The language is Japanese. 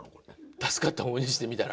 助かった方にしてみたら？